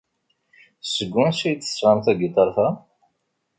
Seg wansi ay d-tesɣam tagiṭart-a?